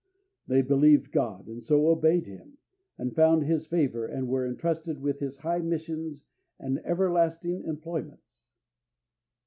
They believed God, and so obeyed Him, and found His favour, and were entrusted with His high missions and everlasting employments.